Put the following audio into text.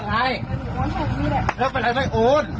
นี่เป็นอะไรไม่อุ้น